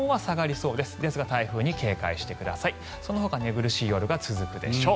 そのほか寝苦しい夜が続くでしょう。